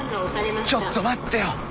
ちょっと待ってよ。